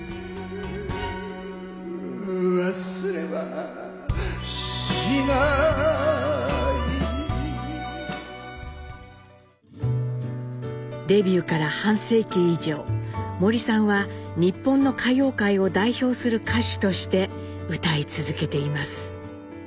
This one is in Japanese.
「忘れはしない」デビューから半世紀以上森さんは日本の歌謡界を代表する歌手として歌い続けています。